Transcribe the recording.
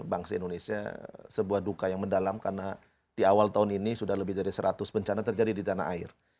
bangsa indonesia sebuah duka yang mendalam karena di awal tahun ini sudah lebih dari seratus bencana terjadi di tanah air